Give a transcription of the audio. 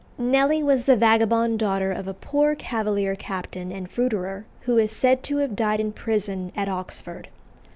Nelly was the vagabond daughter of a poor Cavalier captain and fruiterer, who is said to have died in prison at Oxford.